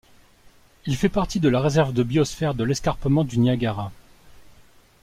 Il fait partie de la réserve de biosphère de l'Escarpement du Niagara.